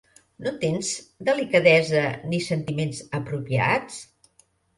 No tens delicadesa ni sentiments apropiats?